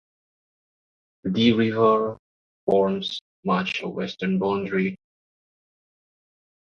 The Dee River forms much of the western boundary.